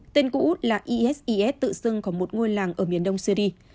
tên cũ là eses tự xưng của một ngôi làng ở miền đông syri